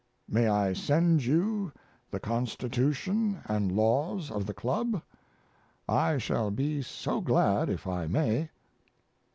May I send you the constitution & laws of the club? I shall be so glad if I may.